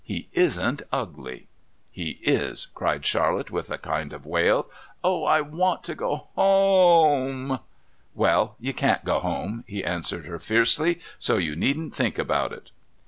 He isn't ugly!" "He is," cried Charlotte with a kind of wail. "Oh! I want to go home." "Well, you can't go home," he answered her fiercely. "So you needn't think about it."